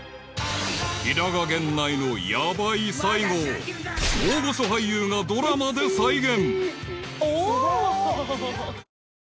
［平賀源内のヤバい最後を大御所俳優がドラマで再現］